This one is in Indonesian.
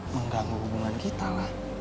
mengganggu hubungan kita lah